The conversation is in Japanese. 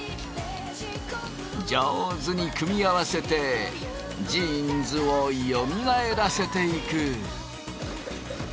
上手に組み合わせてジーンズをよみがえらせていく。